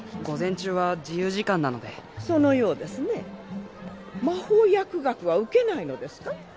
午前中は自由時間なのでそのようですね魔法薬学は受けないのですか？